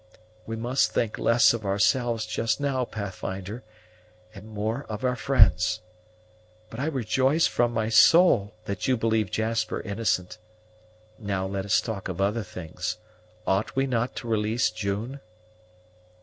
"We must think less of ourselves just now, Pathfinder, and more of our friends. But I rejoice from my soul that you believe Jasper innocent. Now let us talk of other things ought we not to release June?"